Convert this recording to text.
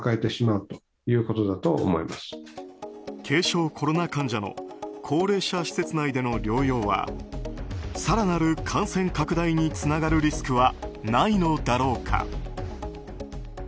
軽症コロナ患者の高齢者施設内での療養は更なる感染拡大につながるリスクはないのだろうか。